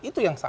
itu yang salah